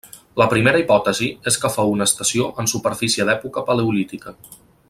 La primera hipòtesi és que fou una estació en superfície d'època paleolítica.